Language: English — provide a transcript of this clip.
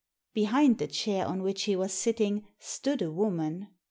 Behind the chair on which he was sitting stood a woman.